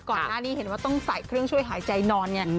ก่อนหน้านี้เห็นว่าต้องใส่เครื่องช่วยหายใจนอนไง